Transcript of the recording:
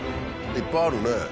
いっぱいあるね。